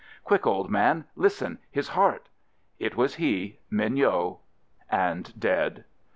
"Quick, old man, listen — his heart!" It was he — Mignot — and dead.